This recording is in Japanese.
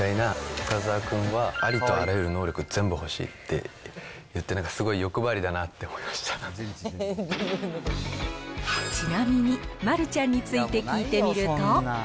深澤君は、ありとあらゆる能力全部欲しいって言って、なんかすごい欲張りだちなみに丸ちゃんについて聞いてみると。